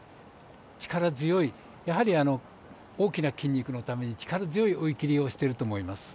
力強い、やはり大きな筋肉のために力強い追い切りをしていると思います。